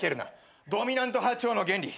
ドミナント波長の原理。